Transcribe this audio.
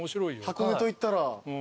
箱根といったら。